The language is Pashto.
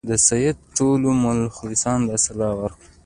د سید ټولو مخلصانو دا سلا ورکړه.